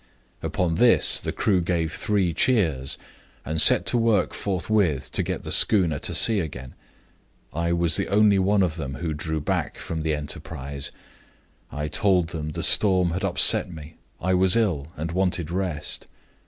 "Upon this the crew gave three cheers, and set to work forthwith to get the schooner to sea again. I was the only one of them who drew back from the enterprise. I told them the storm had upset me I was ill, and wanted rest.